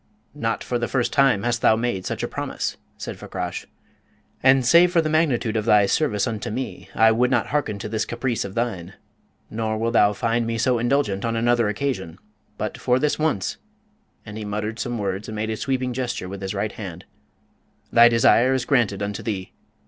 "Not for the first time hast thou made such a promise," said Fakrash. "And save for the magnitude of thy service unto me, I would not hearken to this caprice of thine, nor wilt thou find me so indulgent on another occasion. But for this once" and he muttered some words and made a sweeping gesture with his right hand "thy desire is granted unto thee.